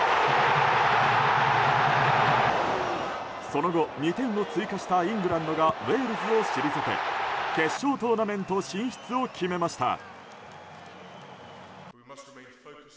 その後、２点を追加したイングランドがウェールズを退け決勝トーナメント進出を決めました。